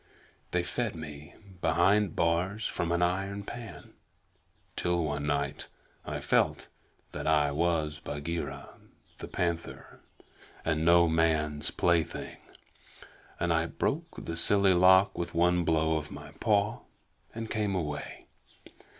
They fed me behind bars from an iron pan till one night I felt that I was Bagheera the Panther and no man's plaything, and I broke the silly lock with one blow of my paw and came away.